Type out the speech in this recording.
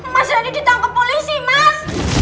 mas hari ditangkap polisi mas